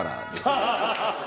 ハハハハ！